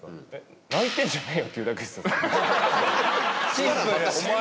・シンプル。